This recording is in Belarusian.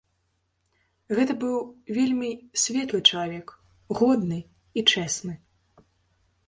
Гэта быў вельмі светлы чалавек, годны і чэсны.